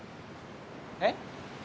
えっ？